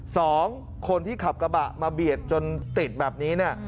สองคนที่ขับกระบะมาเบียดจนติดแบบนี้เนี่ย